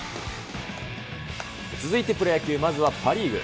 続いてプロ野球、まずはパ・リーグ。